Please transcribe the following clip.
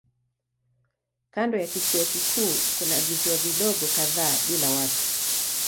Kando ya kisiwa kikuu kuna visiwa vidogo kadhaa bila watu.